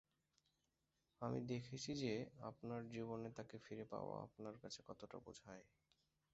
আমি দেখেছি যে আপনার জীবনে তাকে ফিরে পাওয়া আপনার কাছে কতটা বোঝায়।